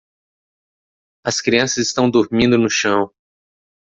As crianças estão dormindo no chão.